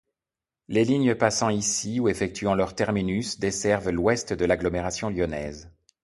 Les lignes passant ici ou effectuant leur terminus desservent l'ouest de l'agglomération lyonnaise.